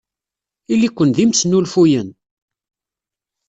Ili-ken d imesnulfuyen!